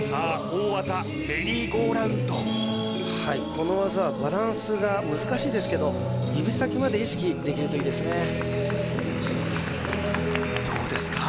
大技メリーゴーラウンドはいこの技はバランスが難しいですけど指先まで意識できるといいですねどうですか？